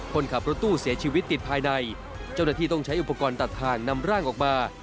คนขับรถตู้เสียชีวิตติดภายในเจ้าหน้าที่ต้องใช้อุปกรณ์ตัดทางนำร่างออกมา